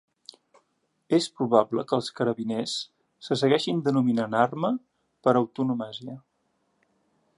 És probable que els carabiners se segueixin denominant Arma per antonomàsia.